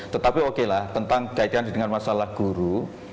tetapi oke lah tentang kaitan dengan masalah guru